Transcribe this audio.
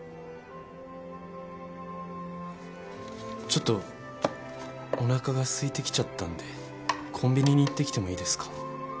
ちょっとおなかがすいてきちゃったんでコンビニに行ってきてもいいですか？